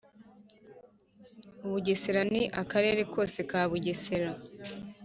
Ubugesera Ni akarere kose ka Bugesera